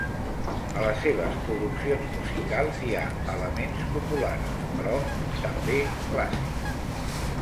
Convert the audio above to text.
A les seves produccions musicals hi ha elements populars, però també clàssics.